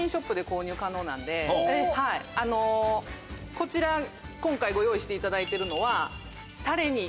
こちら今回ご用意していただいてるのは。